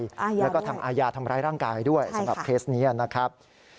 แล้วก็ทางอาญาทำร้ายร่างกายด้วยสำหรับเคสนี้นะครับ